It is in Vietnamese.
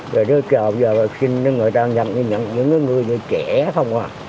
rồi chờ giờ xin người ta nhận những người trẻ không à